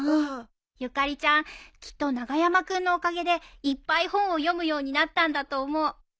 ゆかりちゃんきっと長山君のおかげでいっぱい本を読むようになったんだと思う。